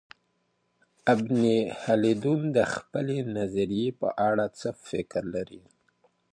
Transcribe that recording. ابن خلدون د خپلې نظریې په اړه څه فکر لري؟